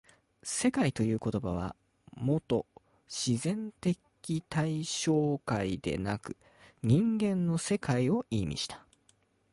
「世界」という言葉はもと自然的対象界でなく人間の世界を意味した。